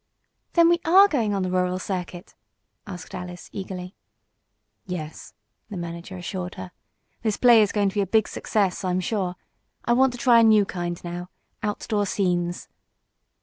"Then we are going on the rural circuit?" asked Alice, eagerly. "Yes," the manager assured her. "This play is going to be a big success, I'm sure. I want to try a new kind now outdoor scenes."